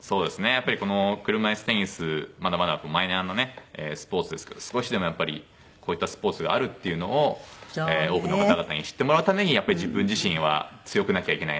やっぱりこの車いすテニスまだまだマイナーなねスポーツですけど少しでもやっぱりこういったスポーツがあるっていうのを多くの方々に知ってもらうためにやっぱり自分自身は強くなきゃいけないなと。